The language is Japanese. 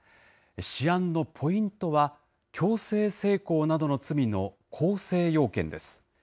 試案のポイントは、強制性交などの罪の構成要件です。